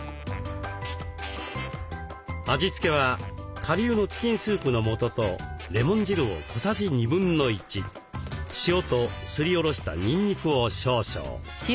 味付けは顆粒のチキンスープの素とレモン汁を小さじ1/2塩とすりおろしたにんにくを少々。